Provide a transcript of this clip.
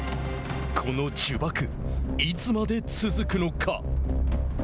この呪縛いつまで続くのか。